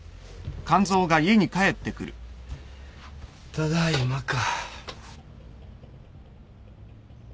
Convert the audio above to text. ただいまか。